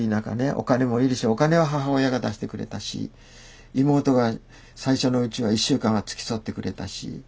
お金も要るしお金は母親が出してくれたし妹が最初のうちは１週間は付き添ってくれたし。